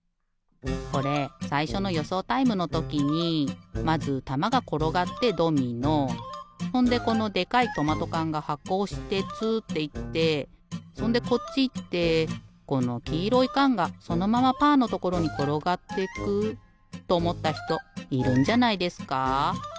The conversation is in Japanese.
これさいしょのよそうタイムのときにまずたまがころがってドミノほんでこのでかいトマトかんがはこおしてつっていってそんでこっちいってこのきいろいかんがそのままパーのところにころがっていくっとおもったひといるんじゃないですか？